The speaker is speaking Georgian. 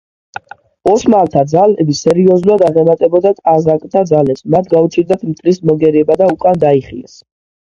ოსმალთა ძალები სერიოზულად აღემატებოდა კაზაკთა ძალებს, მათ გაუჭირდათ მტრის მოგერიება და უკან დაიხიეს.